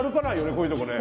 こういうとこね。